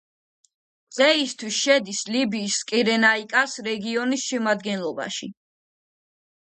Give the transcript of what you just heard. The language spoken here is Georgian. დღეისთვის შედის ლიბიის კირენაიკას რეგიონის შემადგენლობაში.